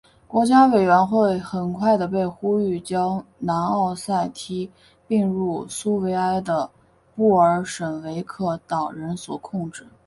国家委员会很快的被呼吁将南奥塞梯并入苏维埃的布尔什维克党人所控制。